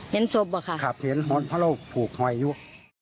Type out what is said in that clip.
เห็นศพเหรอคะครับเห็นเพราะเราผูกหอยอยู่